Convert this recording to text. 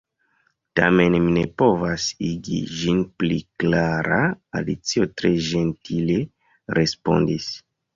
"Tamen mi ne povas igi ĝin pli klara," Alicio tre ĝentile respondis.